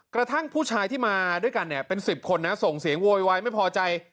กระทั่งผู้ชายที่มาด้วยกันเนี่ยเป็น๑๐คนนะส่งเสียงโวยวายไม่พอใจ